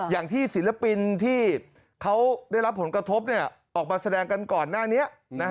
อย่างที่ศิลปินที่เขาได้รับผลกระทบออกมาแสดงกันก่อนหน้านี้